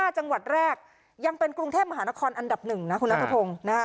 ๕จังหวัดแรกยังเป็นกรุงเทพมหานครอันดับหนึ่งนะคุณนักกระทง